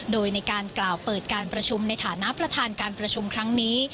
โดยในการกล่าวเปิดการประชุมในฐานะประธานการประชุมครั้งนี้